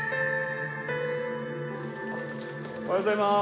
おはようございます。